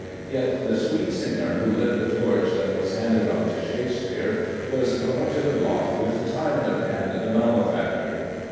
Yet the sweet singer who lit the torch that was handed on to Shakespeare was brought to the block with the tyrant and the malefactor.